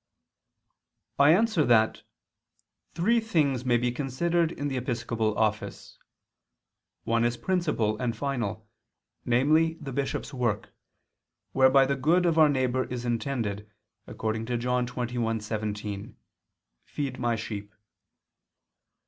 I answer that, Three things may be considered in the episcopal office. One is principal and final, namely the bishop's work, whereby the good of our neighbor is intended, according to John 21:17, "Feed My sheep."